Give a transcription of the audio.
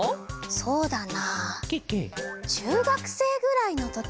そうだな。